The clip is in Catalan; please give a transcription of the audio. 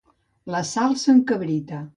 La Sal s'encabrita.